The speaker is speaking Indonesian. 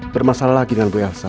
bermasalah lagi dengan bu elsa